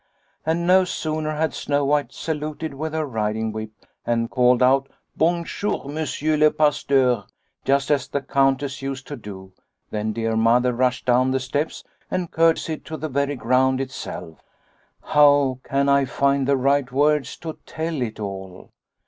And no sooner had Snow White saluted with her riding whip and called out ' Bonjour, Mon sieur le Pasteur,' just as the Countess used to do, than dear Mother rushed down the steps and curtseyed to the very ground itself. How can I find the right words to tell it all